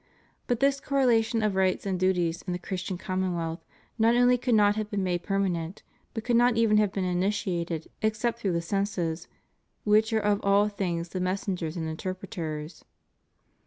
But this correlation of rights and duties in the Christian commonwealth not only could not have been made permanent, but could not even have been initiated except through the senses, which are of all things the messengers and interpreters.